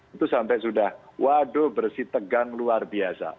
itu sampai sudah waduh bersih tegang luar biasa